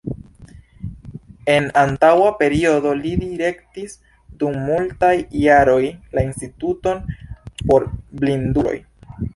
En antaŭa periodo li direktis dum multaj jaroj la Instituton por Blinduloj.